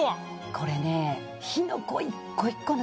これね。